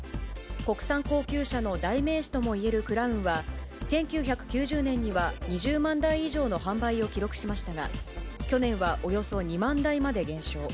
国産高級車の代名詞ともいえるクラウンは、１９９０年には２０万台以上の販売を記録しましたが、去年はおよそ２万台まで減少。